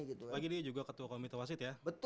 lagini juga ketua komite wasit ya